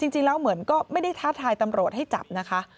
จริงแล้วเหมือนก็ไม่ได้ท้าทายตำรวจให้จับนะคะ